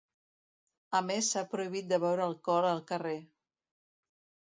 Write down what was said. A més, s’ha prohibit de beure alcohol al carrer.